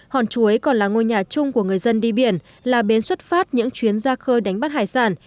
hòn chuối còn là ngôi nhà chung của người dân đi biển là bến xuất phát những chuyến ra khơi đánh bắt hải sản